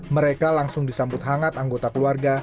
mereka langsung disambut hangat anggota keluarga